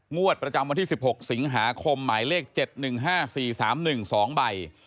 งวดประจำวันที่๑๖สิงหาคมหมายเลข๗๑๕๔๓๑๒ใบ